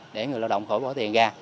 để người lao động khỏi bỏ tiền ra